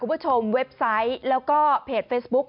คุณผู้ชมเว็บไซต์แล้วก็เพจเฟซบุ๊ก